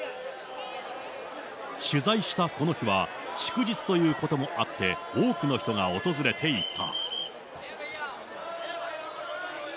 取材したこの日は、祝日ということもあって、多くの人が訪れていた。